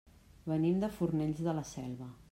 Venim de Fornells de la Selva.